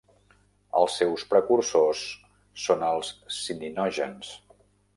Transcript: Els seus precursors són els cininògens.